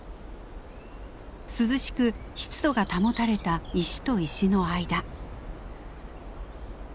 涼しく湿度が保たれた石と石の間。